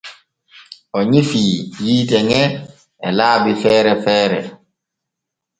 O nyifii yiite ŋe e laabi feere feere.